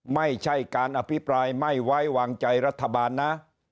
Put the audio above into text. ไม่ใช่การอภิปรายไม่ไว้วางใจรัฐบาลนะ